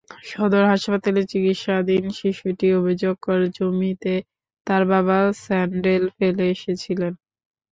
সদর হাসপাতালে চিকিৎসাধীন শিশুটি অভিযোগ করে, জমিতে তার বাবা স্যান্ডেল ফেলে এসেছিলেন।